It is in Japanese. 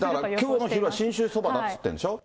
きょうは信州そばだって言ってるんでしょう。